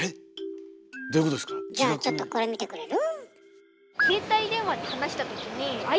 じゃあちょっとこれ見てくれる？